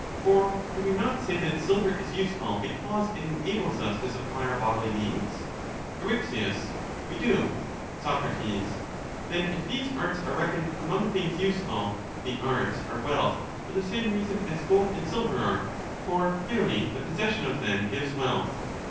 For do we not say that silver is useful because it enables us to supply our bodily needs? Eryx. We do. Soc. Then if these arts are reckoned among things useful, the arts are wealth for the same reason as gold and silver are, for, clearly, the possession of them gives wealth.